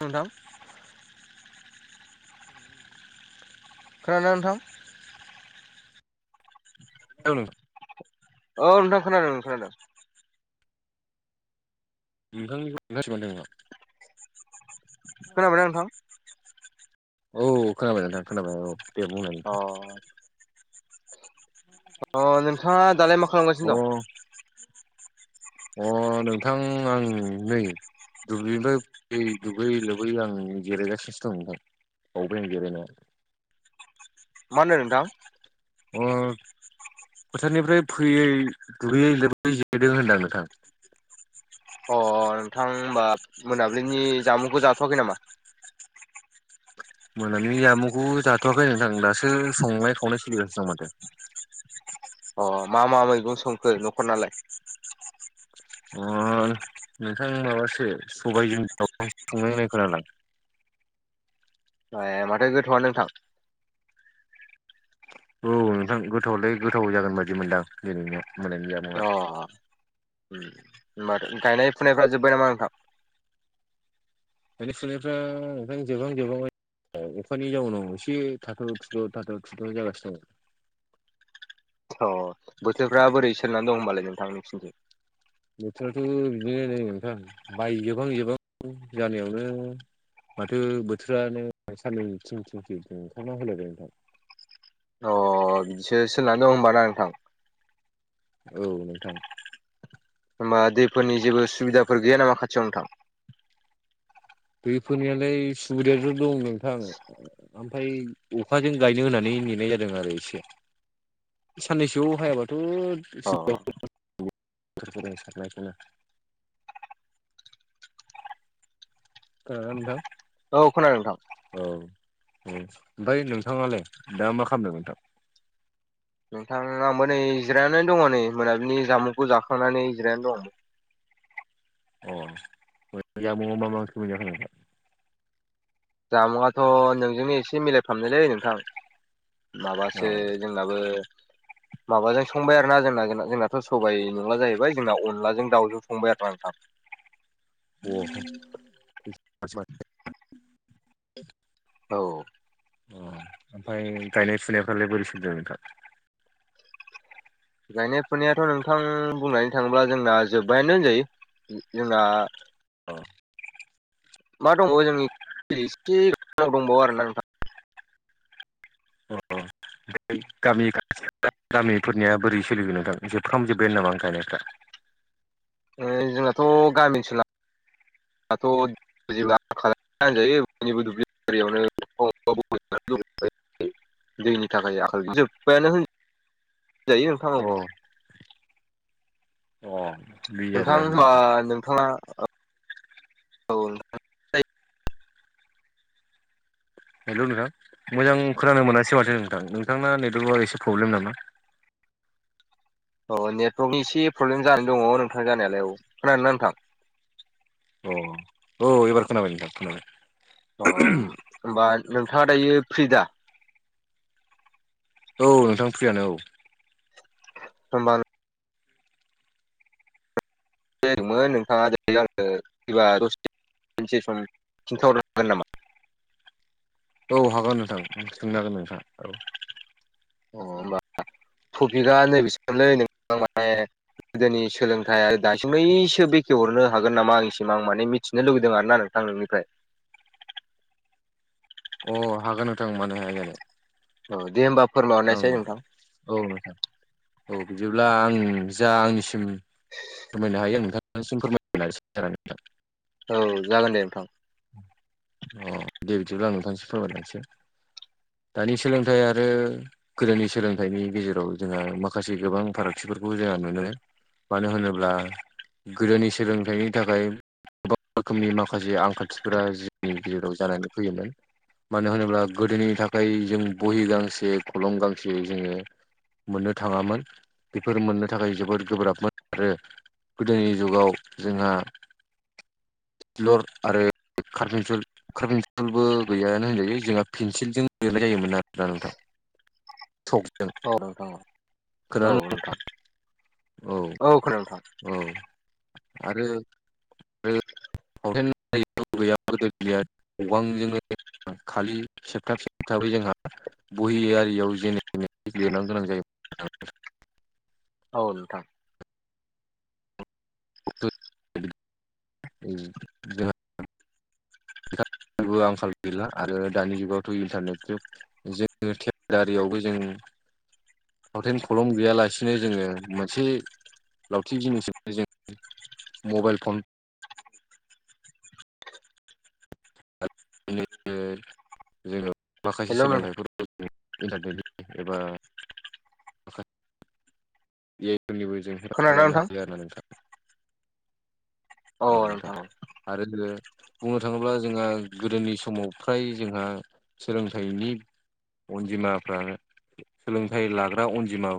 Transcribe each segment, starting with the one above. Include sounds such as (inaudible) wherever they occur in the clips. नोंथां? खोनानो नोंथां? औ औ नोंथां खोनादों नों खोनादों नोंखौ सिबांदों ना। खोनाबायना नोंथां? औ नोंथां खोनाबाय दे बुंलाय। अ अ नोंथाङा दालाय मा खालामगासिनो नोंथां दं? अ नोंथां आं नै दुब्लिनिफ्रायै दुगै लोबै आं जेलायगासिनो दं। बबो गेरेनो मा होनो नोंथां अ। फोथारनिफ्राय फैयै दुगैयै लोबै जेदों होनदों नोंथां। अ नोंथां हबा मोनाबिलिनि जामुंखौ जाथ'वाखै नामा? मोनानि जामुंखौ जाथ'वाखै नोंथां दासो संनाय खावनाय सोलिगासिनो दं माथो? अ मा मा मैगं संखो न'खर नालाय? अ नोंथां माबासो सबायजों संनायनाय खोनादों ए माथो गोथ'आ नोंथां। औ नोंथां गोथावलै गोथाव जागोन बायदि मोनदां दिनैनि मोननाय जाब। अ होनोमबाथ' गायनाय फुनायफ्रा जोब्बाय नामा नोंथां। दानि सोलनायफ्राों जोबहां जोबांबाय औ अखानि जाउनाव एसे थाथ' थि' थाथ' थिथ' जागासिनो दं अ बोथोरफ्रा बोरै सोलनानै दं होनोमबालाय नोंथांनो फिनसै? बोथोराथ' बिदिनो न ओंखां बायजोबहां जोबहां जानायावनो‌ माथो बोथोरानो साननै थिं थिंखि ओंखारना होलायबाय खांबाय अ बिसो सलिनानै दं होनब ना नोंथां? औ नोंथां होमबा दैफोरनि जेबो सुबिदाफोर गैया नामा खाथियाव नोंथां? दैफोरनियाालाय सुबिदायाथ' दं नोंथां? ओमफफ्राय अखाजों गायनो होननानै नेनाय जादों आरो एसे साननैसोआव हायाबाथ' अ सिराय सारनायखौनो दं दा औ खोनादों नोंथां। औ औ ओमफ्राय नोंथांङालाय दा मा खालामदों नोंथां? नोंथांा आंबो नै जिरायनानै दङ नै मोनाबिलि जामुंखौ जाखांनानै जिरायनानै दं। अ मजाम मा मासि मोजाखो? जामुंआाथ' नोंजोंनो एसे मिलायफामनायलै नोंथां माबासो जोंनाबो माबाजों संबाय आरो ना जोंना जोंनाथ' सबाइ नंला जाहैबाय जोंना अनदलाजों दाउजों संबाय आरो नोंथांग अ औ अ ओमफ्राय गायनाय फुनायफ्रालाय बोरै सोलिदोगं नोंथां? गायनाय फुनायाथ' नोंथां बुंनानै थाङोब्ला जोंना जोब्बायानो होनजायो। जोंना औ मा दंबो जोंनिसेाव दंबावो आरोना नोंथां। अ गामि खाथि दा गामिफोरनिया बोरै सोलिगोन नोंथां जोबखामजोब्बायानो नामा आं गायनायफ्रा? जोंहथ' गामि ओनसोलाथ' बिदिब्ला खालामजायो बनिबो दुब्लि बारियावनो (unintelligible) दैनि थाखाय आखाइ जोब्बायानो होनजायो नोंथां औ अ अ बिदि नोंथां आरोना होनबा ओ नोंथाङा औ हेल' नोंथां मोजां खोनानो मोनासै माथो नोंथां नोंथांना नेटवर्कआव एसे प्रब्लेम नामा औ नेटवार्कनि एसे प्रब्लेम जानानै दङ नोंथांनि जानायालाय औ खोनादों ना नोंथां अ औ एबार खोनाबाय नोंथां खोनाबाय अ होमबा नोंथाङा दायो फ्रि दा औ नोंथां फ्रियानो औ होमबानो मोन नोंथाङा दिनै आङो फबा दससे सम खिन्थाहरनो हागोन नामा औ हागोन नोंथां सोंनो हागोन नोंथां औ अ होमबा टपिकआ नैबेसो मोनलै नोंथां माने गोदोनि सोलोंथाइया दासिमैसो बेखेहरनो हागोन नामा आंनिसिम आं माने मिथिनो लुबैदों आरोना नों थां नोंनिफ्राय अ हागोन नोंथां मानो हाया जानो औ दे होमबा आं फोरमायहरनायसै नोंथां औ नोंथां औ बिदिब्ला आं जा आंनिसिम फोरमायनो हायो आं नोंथांसिम फोरमायनो नाजासै आरो नोंथां औ जागोन दे नोंथां अ दे बिदिब्ला आं नोंथांनिसिम फोरमायलांसै दानि सोलोंथाइ आरो गोदोनि सोलोंथाइनि गेजेराव जोंहा माखासे गोबां फारागथिफोरखौ जोंहा नुनो मानो होनोब्ला गोदोनि सोलोंथाइनि थाखाय गोबां रोखोमनि माखासे आंखाल खथिफुरा जोंनि गेजेराव जानानै फैयोमोन मानो होनोब्ला गोदोनि थाखाय जों बहि गांसे खलम गांसे जोङो मोननो थाङामोन बेफोर मोननो थाखाय जोबोद गोब्राबमोन आरो गोदोनि जुगाव जोंहा लर आरो कारफिसुल काफेसिलबो गैयानो होनजायो जोंहा पेन्सिलजों लिरनाय जायोमोन आरोना नोंथां (inaudible) सकजों औ नोंथां औ खोनादों औ नोंथां औ खोनादों नोंथां औ आरो (unintelligible) जोंहा गोदोनिया दंफांजोंनो खालि सेबथाब सेबथाबै जोंहा बहियारियाव जेने लिरनां गोनां जायो औ नोंथां (unintelligible) जेबो आंखाल गैला आरो दानि जुगावथ' इन्टारनेट जुग जोङो थेेलारियावबो जों फावथेन खलम गैयालासिनो जोङो मोनसे लावथि जिनिसजोंनो जों मबाइल फन (unintelligible) जोङो माखासे हेलौ नों सोलोंथाइ इन्टारनेट एबा जेनिबो जों हेफाजाब लानो खोनादोंना हायो आरोना नोंथां औ नोंथां आरो जों बुंनो थाङोब्ला जोंहा गोदोनि समाव फ्राय जोंहा सोलोंथाइनि अनजिमाफ्रा सोलोंथाइ लाग्रा अनजिमा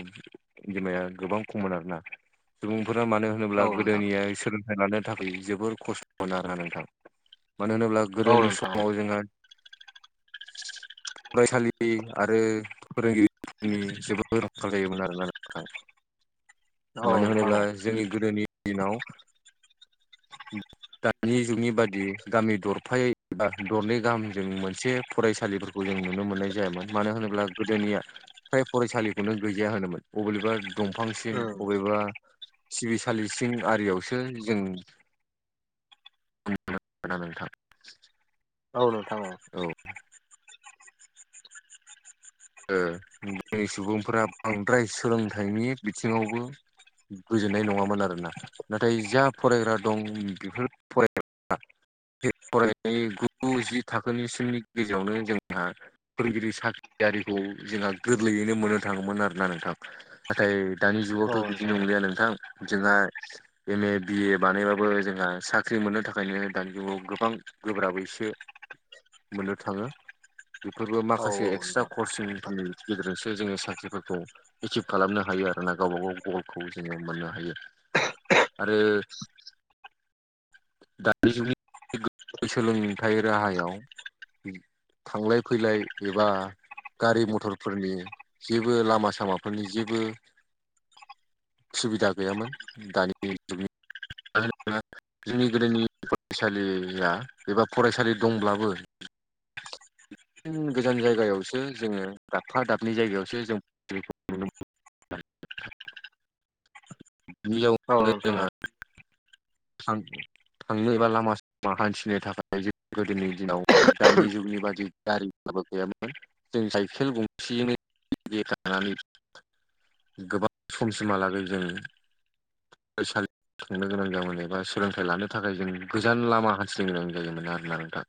अमाया गोबां खमलांदोंना सुबुंफोरा मानो होनोब्ला औ नोंथां गोदोनिया सोलोंथाइ लानो थाखाय जोबोर खस्थ'मोन आरा नोंथां मानो होनोब्ला औ गोदोनि नोंथां समाव जोङो फरायसालि आरो फोरोंगिरि नि जबो र रंख जायोमोन आरोना (inaudible) औ मानो नोंथां होनोब्ला जोंनि गोदोनि दिनाव (inaudible) दानि जुगनि बादि गामि दरफायै बा दरनै गाहामजों मोनसे फरायसालि जों नुनो मोननाय जायामोन मानो होनोब्ला गोदोनिया फ्राय फरायसालिखौनो गैजाया होनोमोन अबेबा दंफां सिं औ अबेबा सिबिसालि सिं आरियावसो जों ग नथ (inaudible) औ नोंथां औ जा सुबुंफोरा बांद्राय सोलोंथाइनि बिथिङावबो गोजोननाय नङामोन आरो ना नाथाय जा फरायग्रा दं बेफोर फरायग्रा फरायनाय गु जि थाखोनिसिमनि गेजेरावनो जोंहा फोरोंगिरि साख्रियारिखौ जोंहा गोरलैयैनो मोननो थाङोमोन आरोना नोंथां नाथाय दानि औ जुगावथ' बिदि नोंथां नंलिया नोंथां जोंहा एम ए बिए बानायबाबो जोंहा साख्रि मोननो थाखायनो दानि जुगाव गोबां गोब्राबै एसे मोननो थाङो बेफोरबो औ माखासे एक्सट्रा नोंथां कचिंफोरनि गेजेरजोंसो जोङो साख्रिफोरखौ एसिभ खालामनो हायो आरो ना गावबा गाव गलखौ जोङो मोननो हायो आरो दानिजुगनि सोलोंथाइ राहायाव थांलाय फैलाय एबा गारि मथरफोरनि जेबो लामा सामाफोरनि जेबो सुबिदा गैयामोन दानि जुगनि मानो होनोब्ला जोंनि गोदोनि फरायसालिया एबा फरायसालि दंब्लाबो गोजान जायगायावसो जोङो दाबफा दानै जायगायावसो जों नुनो बिनि औ जाउावनो नोंथां औ नोंथां जोंहा (inaudible) थांनो एबा लामा सामा हान्थिनो थाखाय जों गोदोनि दिनाव दानि जुगनि बादि गारि फोरबो गैयामोन जों साइखेल गंसेजोंनो खानानै (inaudible) गोबां समसिमहालागै जों फरायसालियाव थांनो गोनां जाबोन बा सोलोंथाइ लानो थाखाय जों गोजान लामा हान्थिनो गोनां जायोमोन आरो ना नोंथां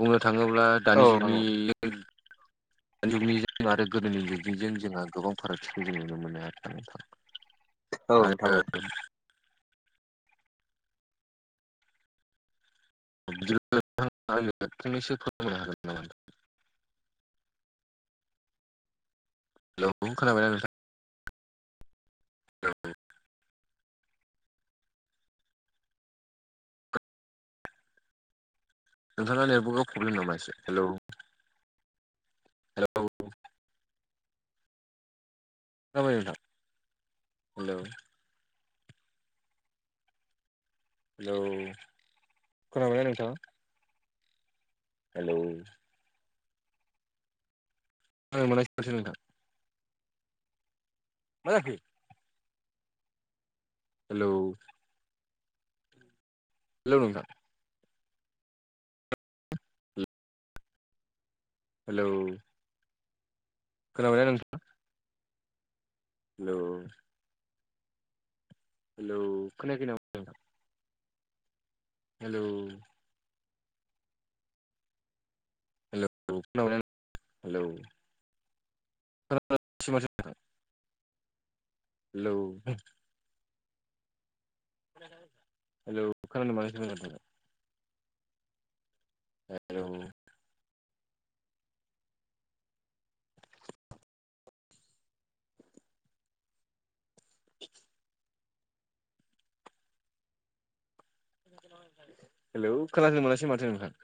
बुंनो थाङोब्ला औ दानि औ नोंथां जुगनि दानि जुगनिजों आरो गोदोनि जुगनिजों जोंहा गोबां फारागथिखौ जों नुनो मोनोआरो नोंथां औ औ आरो नोंथां औ सो खनो हागोन नामा (inaudible) हेल खोनाबायना नोंथां नोंथांना नेट नमाय हेलौ (inaudible) हेलौ जाबायथां (inaudible) हेल खोनाबायाय नोंथांङा हेल मोनानाय सस नोंथां (inaudible) माजाखो हेल हेल नोंथां हेल खोनाबाय नोंथां हेल' हेलौ खोनायाखै नामा? हेलौ। हेलौ खोनाबायना हेलौ? (unintelligible) हेलौ। हेल' खानादों (unintelligible) हेलौ हेल खोनास मोनासै माथो नोंथां।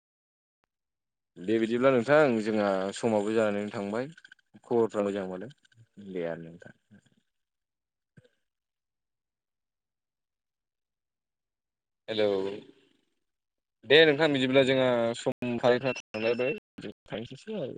बेबायदिब्ला नोंथां जोंहा समावबो जानानै थांबाय। खरफ्र मोजांबाला गैया। हेलौ। दे नोंथाङा बिदिब्ला जोंहा सम फारिथ थांलाय थांसैसै